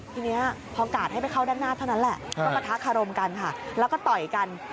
ทีนี้พอกาดให้ไปเข้าด้านหน้าเท่านั้นแหละก็ปะทะคารมกันค่ะแล้วก็ต่อยกัน